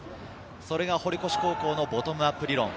それが堀越高校のボトムアップ理論。